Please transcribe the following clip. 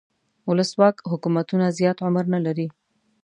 ولسواک حکومتونه زیات عمر نه لري.